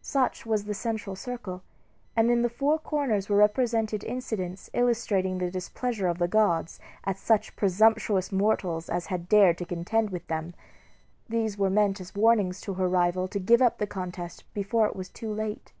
Such was the central circle; and in the four corners were represented incidents illustrating the displeasure of the gods at such presumptuous mortals as had dared to contend with them. These were meant as warnings to her rival to give up the contest before it was too late.